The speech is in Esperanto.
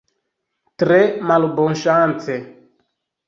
Tre malbonŝance.